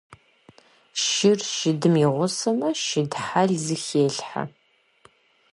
Шыр шыдым игъусэмэ, шыд хьэл зыхелъхьэ.